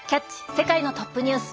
世界のトップニュース」。